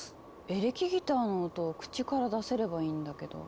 エレキギターの音を口から出せればいいんだけど。